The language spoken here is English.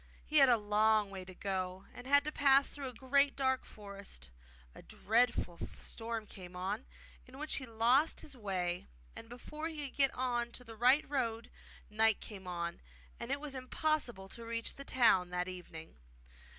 He had a long way to go, and had to pass through a great dark forest. A dreadful storm came on, in which he lost his way, and before he could get on to the right road night came on, and it was impossible to reach the town that evening.